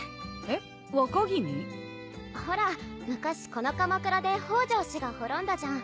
ほら昔この鎌倉で北条氏が滅んだじゃん。